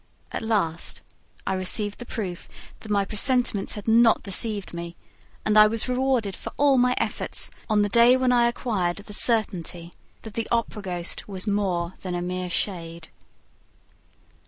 At last, I received the proof that my presentiments had not deceived me, and I was rewarded for all my efforts on the day when I acquired the certainty that the Opera ghost was more than a mere shade.